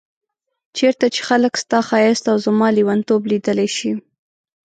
چيرته چي خلګ ستا ښايست او زما ليونتوب ليدلی شي